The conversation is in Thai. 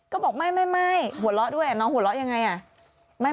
ก็บอกไม่หัวเราะด้วยน้องหัวเราะยังไงอ่ะ